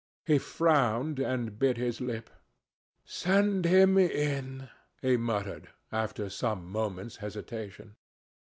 He frowned and bit his lip. "Send him in," he muttered, after some moments' hesitation.